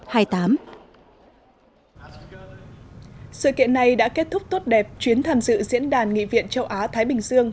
sự kiện này đã kết thúc tốt đẹp chuyến tham dự diễn đàn nghị viện châu á thái bình dương